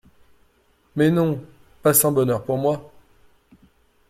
Mais non pas sans bonheur pour moi.